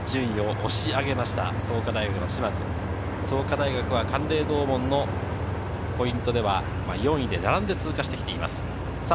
創価大学は函嶺洞門のポイントでは４位で並んで通過しています。